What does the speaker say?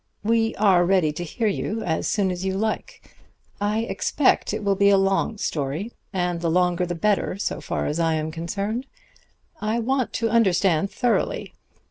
We are ready to hear you as soon as you like. I expect it will be a long story, and the longer the better, so far as I am concerned; I want to understand thoroughly.